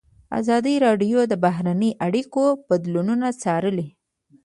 ازادي راډیو د بهرنۍ اړیکې بدلونونه څارلي.